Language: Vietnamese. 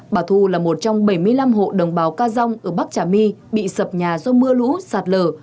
bà thu là một trong bảy mươi năm hộ đồng bào ca dông ở bắc trà my bị sập nhà do mưa lũ sạt lở